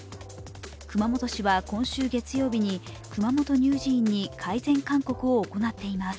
熊本市は今週月曜日に熊本乳児院に改善勧告を行っています。